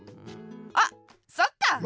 あそっか！